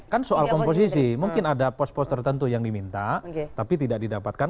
kan soal komposisi mungkin ada pos pos tertentu yang diminta tapi tidak didapatkan